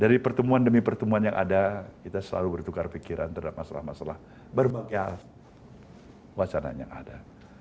dari pertemuan demi pertemuan yang ada kita selalu bertukar pikiran terhadap masalah masalah berbagai wacana yang ada